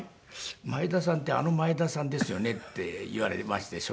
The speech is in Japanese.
「前田さんってあの前田さんですよね？」って言われまして職員の方に。